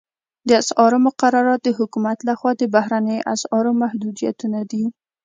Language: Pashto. د اسعارو مقررات د حکومت لخوا د بهرنیو اسعارو محدودیتونه دي